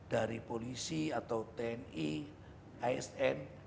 dari polisi atau tni asn